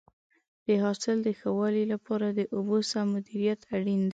د حاصل د ښه والي لپاره د اوبو سم مدیریت اړین دی.